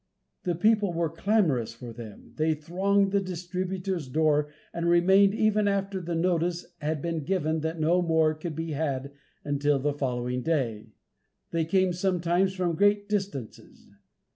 The people were clamorous for them. They thronged the distributor's door, and remained even after the notice had been given that no more could be had until the following day. They came sometimes from great distances.